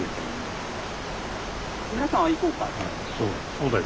そうだよ。